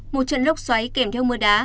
một trận lốc xoáy kèm theo mưa đá